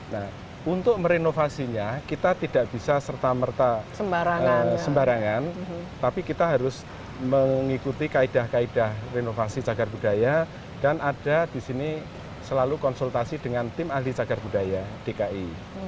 nah untuk merenovasinya kita tidak bisa serta merta sembarangan tapi kita harus mengikuti kaedah kaedah renovasi cagar budaya dan ada di sini selalu konsultasi dengan tim ahli cagar budaya dki